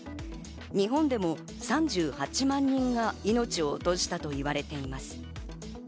日本でも３８万人が命を落としたといわれています。